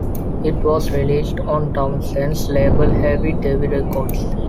It was released on Townsend's label Hevy Devy Records.